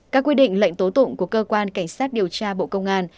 các quy định lệnh tố tụng của cơ quan cảnh sát điều tra bộ công an